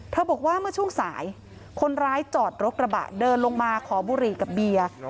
บอกว่าเมื่อช่วงสายคนร้ายจอดรถกระบะเดินลงมาขอบุหรี่กับเบียร์